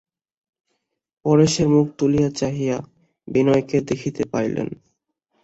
পরেশও মুখ তুলিয়া চাহিয়া বিনয়কে দেখিতে পাইলেন।